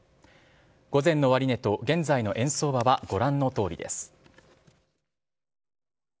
午前の終値と現在の円相場はご覧のとおりです。